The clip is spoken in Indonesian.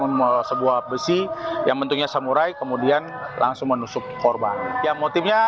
membawa sebuah besi yang bentuknya semurai kemudian langsung menusuk korban yang motifnya